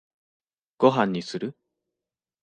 ご飯にする？